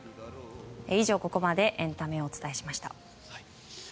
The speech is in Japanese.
以上ここまでエンタメをお伝えしました。